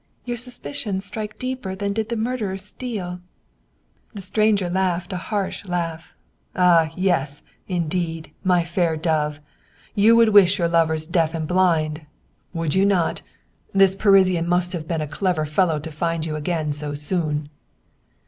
Your suspicions strike deeper than did the murderer's steel !" The stranger laughed a harsh laugh. " Ah, yes, indeed, my fair dove ! You would wish your lovers deaf and blind, 97 German Mystery Stories would you not? This Parisian must have been a clever fellow to find you again so soon."